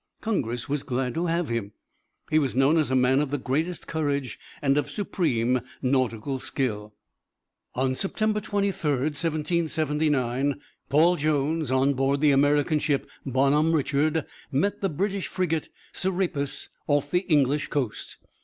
Congress was glad to have him; he was known as a man of the greatest courage and of supreme nautical skill. On September 23, 1779, Paul Jones, on board the American ship Bon Homme Richard, met the British frigate Serapis off the English coast.